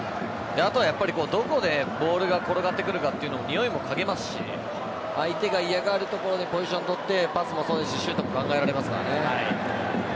やっぱりどこにボールが転がってくるかというにおいもかげますし相手が嫌がる所でポジションを取ってパスもシュートも考えられますからね。